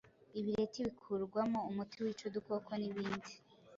ibireti bikurwamo umuti wica udukoko, n’ibindi.